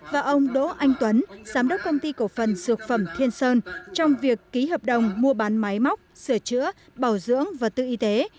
và ông đỗ anh tuấn giám đốc công ty cổ phần dược phẩm thiên sơn trong việc ký hợp đồng mua bán máy móc sửa chữa bảo dưỡng và tự y tế